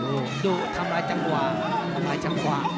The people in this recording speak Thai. ดูดูทำลายจังกว่าทำลายจังกว่า